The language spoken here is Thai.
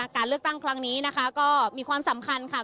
การเลือกตั้งครั้งนี้นะคะก็มีความสำคัญค่ะ